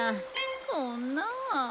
そんなあ。